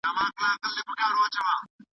تر واده وروسته يو د بل کورونو ته نه ورځي